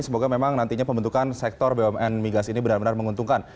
semoga memang nantinya pembentukan sektor bumn migas ini benar benar menguntungkan